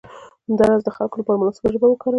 همداراز د خلکو لپاره مناسبه ژبه وکاروئ.